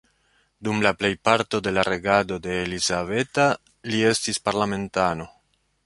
Dum la plejparto de la regado de Elizabeta li estis parlamentano.